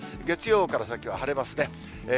月曜から先は晴れますね。